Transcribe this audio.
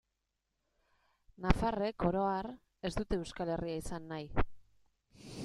Nafarrek, oro har, ez dute Euskal Herria izan nahi.